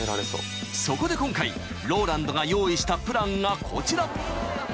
［そこで今回ＲＯＬＡＮＤが用意したプランがこちら］